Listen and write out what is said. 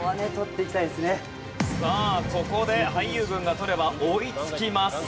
さあここで俳優軍が取れば追いつきます。